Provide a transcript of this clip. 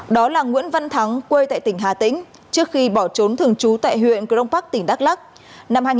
đó là nguyễn văn thắng quê tại tp hcm trước khi bỏ trốn thường trú tại huyện crong park tp hcm